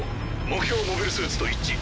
目標モビルスーツと一致。